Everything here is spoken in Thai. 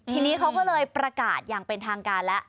ทีนี้เขาก็เลยประกาศอย่างเป็นทางการแล้ว